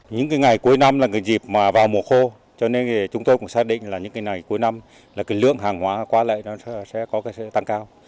những ngày cuối năm là dịp vào mùa khô cho nên chúng tôi cũng xác định là những ngày cuối năm lượng hàng hóa qua lệ sẽ tăng cao